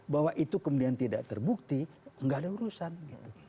bahwa itu kemudian tidak terbukti nggak ada urusan gitu